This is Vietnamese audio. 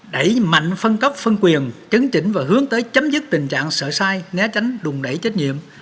đẩy mạnh phân cấp phân quyền chấn chỉnh và hướng tới chấm dứt tình trạng sợ sai né tránh đùn đẩy trách nhiệm